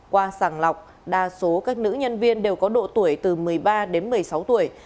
qua sàng lọc đa số các nữ nhân viên đều có độ tuổi từ một mươi ba đến một mươi sáu tuổi